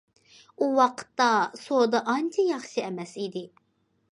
ئۇ ۋاقىتتا سودا ئانچە ياخشى ئەمەس ئىدى.